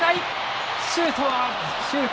シュート！